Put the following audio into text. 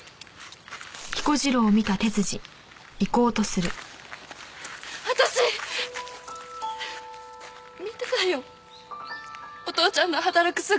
見てたよお父ちゃんの働く姿。